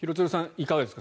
いかがですか。